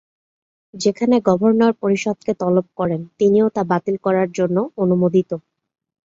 যেখানে গভর্নর পরিষদকে তলব করেন তিনিও তা বাতিল করার জন্য অনুমোদিত।